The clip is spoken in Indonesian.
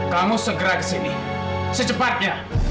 kamu segera kesini secepatnya